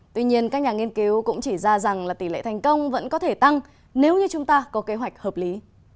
tuy nhiên các nhà nghiên cứu cũng chỉ ra rằng là tỷ lệ thành công vẫn có thể tăng nếu như chúng ta có kế hoạch hợp lý